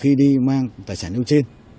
khi đi mang tài sản yêu trên